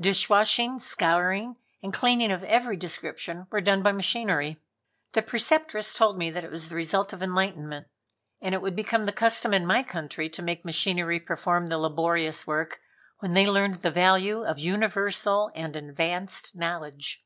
Dishwashing, scouring and cleaning of every description were done by machinery. The Preceptress told me that it was the result of enlightenment, and it would become the custom in my country to make machinery perform the laborious work when they learned the value of universal and advanced knowledge.